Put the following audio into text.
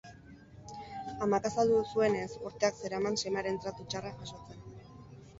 Amak azaldu zuenez, urteak zeraman semearen tratu txarrak jasotzen.